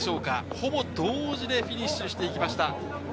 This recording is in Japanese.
ほぼ同時でフィニッシュしていきました。